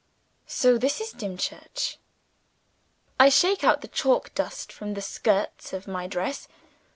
So this is Dimchurch! I shake out the chalk dust from the skirts of my dress.